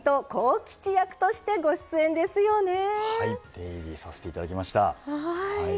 出入りさせていただきました。